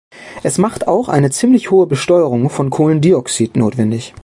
Es macht auch eine ziemlich hohe Besteuerung von Kohlendioxyd notwendig.